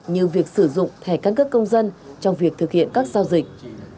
như việc sử dụng thẻ căn cước công dân trong việc thực hiện các giao dịch